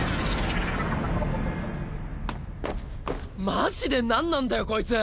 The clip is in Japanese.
マジで何なんだよこいつ！